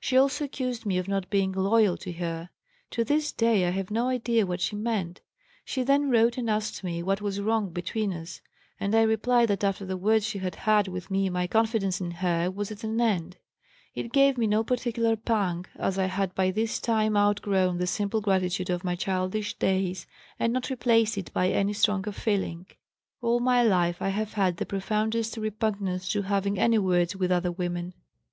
She also accused me of not being 'loyal' to her; to this day I have no idea what she meant. She then wrote and asked me what was wrong between us, and I replied that after the words she had had with me my confidence in her was at an end. It gave me no particular pang as I had by this time outgrown the simple gratitude of my childish days and not replaced it by any stronger feeling. All my life I have had the profoundest repugnance to having any 'words' with other women.